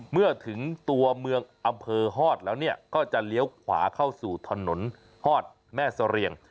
เมื่อถึงตัวเมืองอำเภอฮอตแล้วเนี่ยก็จะเลี้ยวขวาเข้าสู่ถนนฮอดแม่เสรียง